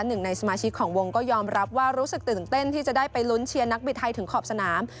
หนึ่งในสมาชิกของวงก็ยอมรับว่ารู้สึกตื่นเต้นที่จะได้ไปลุ้นเชียร์นักบิดไทยถึงขอบสนาม